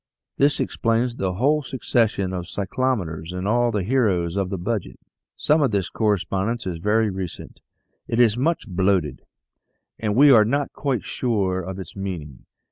This explains the whole succession of cyclometers and all the heroes of the Budget. Some of this correspondence is very recent; it is much blotted, and we are not quite sure of its meaning.